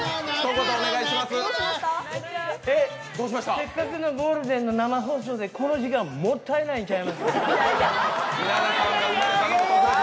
せっかくのゴールデンの生放送で、この時間もったいないんちゃいます？